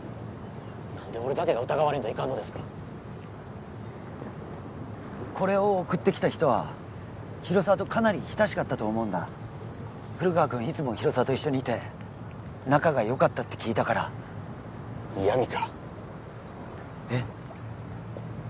何で俺だけが疑われんといかんのですかこれを送ってきた人は広沢とかなり親しかったと思うんだ古川君いつも広沢と一緒にいて仲がよかったって聞いたから嫌みかえッ？